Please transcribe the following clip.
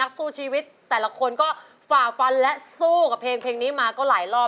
สู้ชีวิตแต่ละคนก็ฝ่าฟันและสู้กับเพลงนี้มาก็หลายรอบ